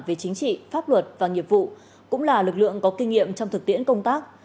về chính trị pháp luật và nghiệp vụ cũng là lực lượng có kinh nghiệm trong thực tiễn công tác